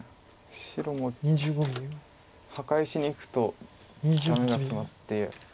白も破壊しにいくとダメがツマって。